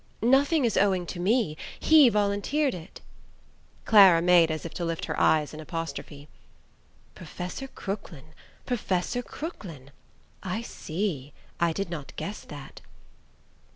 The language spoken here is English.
"Nothing is owing to me. He volunteered it." Clara made as if to lift her eyes in apostrophe. "Professor Crooklyn! Professor Crooklyn! I see. I did not guess that."